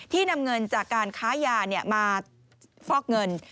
นำเงินจากการค้ายามาฟอกเงิน